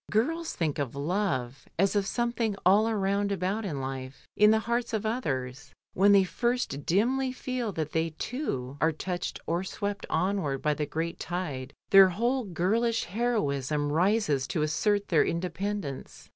Girls think of love as of some thing all round about in life in the hearts of others; when they first dimly feel that they, too, are touched or swept onward by the great tide, their whole girl ish heroism rises to assert their independence.